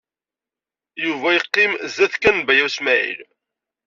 Yuba yeqqim zdat kan n Baya U Smaɛil.